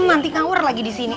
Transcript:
nanti ngawur lagi disini